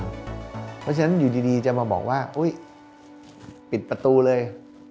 เพราะฉะนั้นอยู่ดีจะมาบอกว่าอุ๊ยปิดประตูเลย